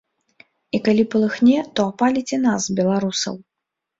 І калі палыхне, то апаліць і нас, беларусаў.